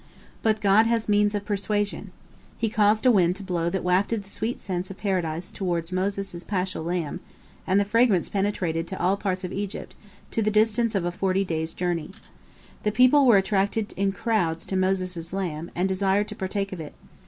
But God has means of persuasion. He caused a wind to blow that wafted the sweet scents of Paradise toward Moses' paschal lamb, and the fragrance penetrated to all parts of Egypt, to the distance of a forty days' journey. The people were attracted in crowds to Moses' lamb, and desired to partake of it.